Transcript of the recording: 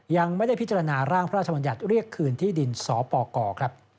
ยังไม่ได้พิจารณาร่างพระราชมนตรีหยัดเรียกคืนที่ดินสปก